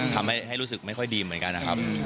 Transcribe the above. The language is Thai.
ทำให้รู้สึกไม่ค่อยดีเหมือนกันนะครับ